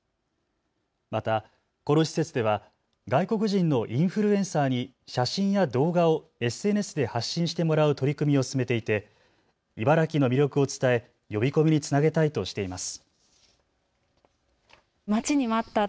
またこの施設では外国人のインフルエンサーに写真や動画をＳＮＳで発信してもらう取り組みを進めていて茨城の魅力を伝え呼び込みにつなげたいとしています。